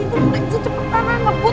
itu mending cuci perut tangan lebut